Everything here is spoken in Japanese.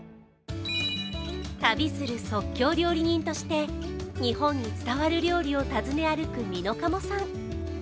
旅する即興料理人として日本に伝わる料理を訪ね歩くｍｉｎｏｋａｍｏさん。